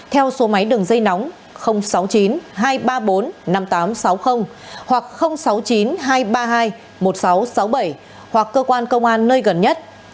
theo số máy đường dây nóng sáu mươi chín hai trăm ba mươi bốn năm nghìn tám trăm sáu mươi hoặc sáu mươi chín hai trăm ba mươi hai một nghìn sáu trăm sáu mươi bảy hoặc cơ quan công an nơi gần nhất